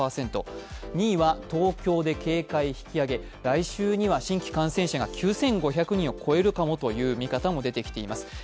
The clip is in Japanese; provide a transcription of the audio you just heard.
２位は東京で警戒引き上げ、来週には新規感染者が９５００人を超えるかもという見方も出てきています。